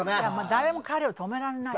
誰も彼を止められない。